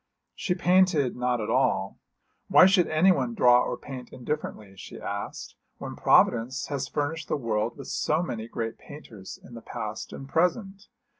She painted not at all. Why should anyone draw or paint indifferently, she asked, when Providence has furnished the world with so many great painters in the past and present?